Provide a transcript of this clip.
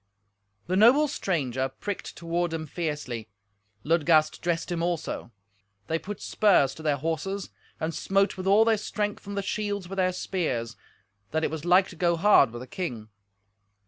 The noble stranger pricked toward him fiercely. Ludgast dressed him also. They put spurs to their horses and smote with all their strength on the shields with their spears, that it was like to go hard with the king.